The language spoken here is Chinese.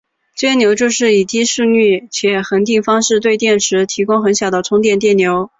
涓流就是以低速率且恒定方式对电池提供很小的充电电流。